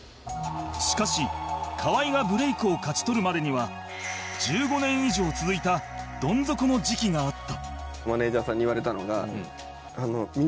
しかし河合がブレイクを勝ち取るまでには１５年以上続いたどん底の時期があったって言われた。